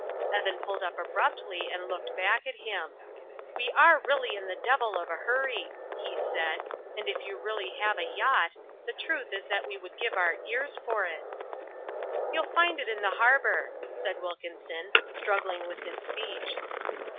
Evan pulled up abruptly and looked back at him. "We are really in the devil of a hurry," he said, "and if you really have a yacht, the truth is that we would give our ears for it." "You'll find it in harbour," said Wilkinson, struggling with his speech.